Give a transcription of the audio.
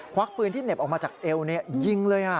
วักปืนที่เหน็บออกมาจากเอวยิงเลย